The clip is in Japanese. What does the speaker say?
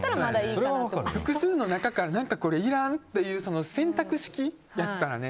複数の中からこれいらん？っていう選択式だったらね。